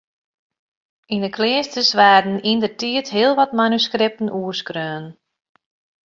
Yn 'e kleasters waarden yndertiid hiel wat manuskripten oerskreaun.